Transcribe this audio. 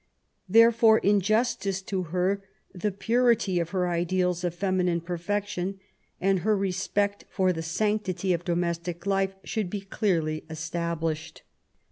There fore, in justice to her, the purity of her ideals of feminine perfection and her respect for the sanctity of domestic life should be clearly established.